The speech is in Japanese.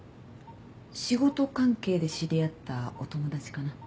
仕事関係で知り合ったお友達かな。